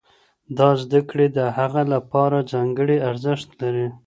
دا زده کړې د هغه لپاره ځانګړی ارزښت لري.